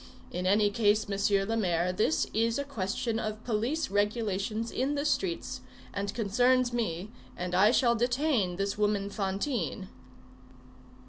In any case, Monsieur le Maire, this is a question of police regulations in the streets, and concerns me, and I shall detain this woman Fantine."